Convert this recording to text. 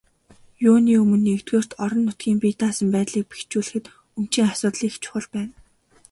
Юуны өмнө, нэгдүгээрт, орон нутгийн бие даасан байдлыг бэхжүүлэхэд өмчийн асуудал их чухал байна.